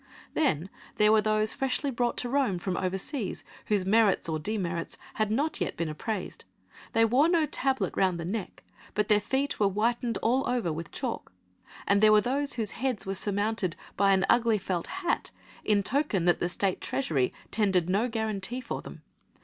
Then there were those freshly brought to Rome from overseas, whose merits or demerits had not yet been appraised they wore no tablet round the neck, but their feet were whitened all over with chalk; and there were those whose heads were surmounted by an ugly felt hat in token that the State treasury tendered no guarantee for them.